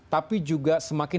tapi juga semakin